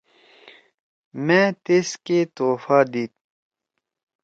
مأ تیس کی تحفہ دیِد۔